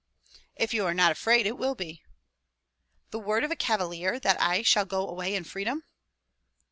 "If you are not afraid, it will be." "The word of a cavalier that I shall go away in freedom?"